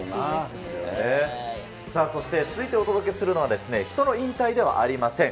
そして、続いてお届けするのは、人の引退ではありません。